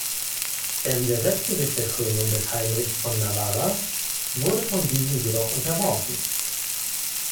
Er widersetzte sich der Krönung des Heinrich von Navarra, wurde von diesem jedoch unterworfen.